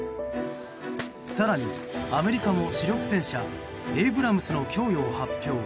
更に、アメリカも主力戦車エイブラムスの供与を発表。